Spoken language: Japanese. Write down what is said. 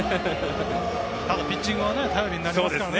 ただピッチングは頼りになりますからね。